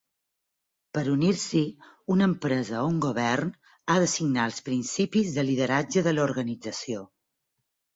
Per unir-s'hi, una empresa o un govern ha de signar els principis de lideratge de la organització.